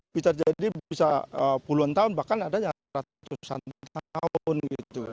bisa jadi bisa puluhan tahun bahkan ada yang ratusan tahun gitu